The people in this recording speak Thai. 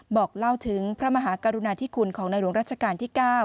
บอกเล่าถึงพระมหากรุณาธิคุณของในหลวงรัชกาลที่๙